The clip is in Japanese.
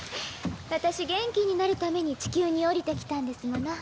私元気になるために地球に降りてきたんですもの。